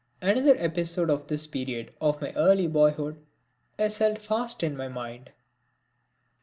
Another episode of this period of my early boyhood is held fast in my mind.